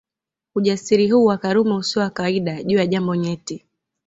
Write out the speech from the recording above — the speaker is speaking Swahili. Ujasiri huu wa Karume usio wa kawaida juu ya jambo nyeti